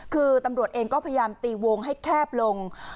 คือตำรวจเองก็พยายามตีวงให้แคบลง